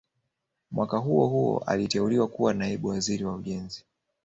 Mwaka huo huo aliteuliwa kuwa Naibu Waziri wa Ujenzi